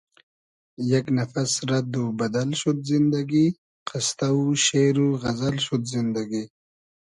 یئگ نفس رئد و بئدئل شود زیندئگی قستۂ و شېر و غئزئل شود زیندئگی